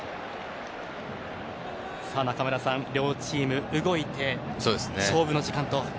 中村さん、両チーム動いて勝負の時間と。